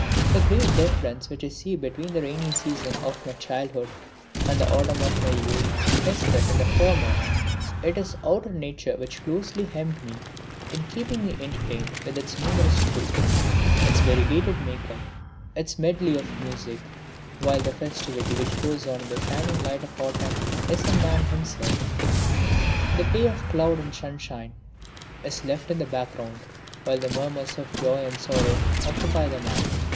The great difference which I see between the Rainy season of my childhood and the Autumn of my youth is that in the former it is outer Nature which closely hemmed me in keeping me entertained with its numerous troupe, its variegated make up, its medley of music; while the festivity which goes on in the shining light of autumn is in man himself. The play of cloud and sunshine is left in the background, while the murmurs of joy and sorrow occupy the mind.